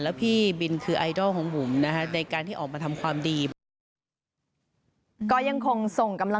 แล้วพี่บิลคือไอดอลของผมนะฮะ